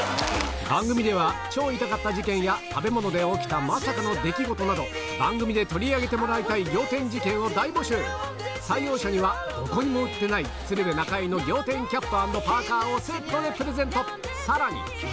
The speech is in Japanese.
番組では超痛かった事件や食べ物で起きたまさかの出来事など番組で取り上げてもらいたい仰天事件を大募集採用者にはどこにも売ってない鶴瓶中居の仰天キャップ＆パーカをセットでプレゼント